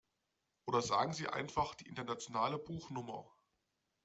Oder sagen Sie einfach die internationale Buchnummer.